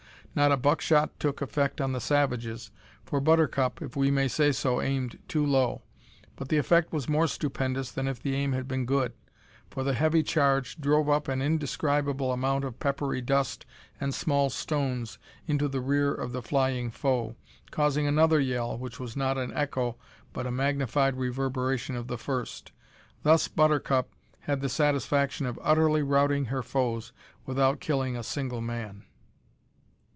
Not a buckshot took effect on the savages, for Buttercup, if we may say so, aimed too low, but the effect was more stupendous than if the aim had been good, for the heavy charge drove up an indescribable amount of peppery dust and small stones into the rear of the flying foe, causing another yell which was not an echo but a magnified reverberation of the first. Thus Buttercup had the satisfaction of utterly routing her foes without killing a single man!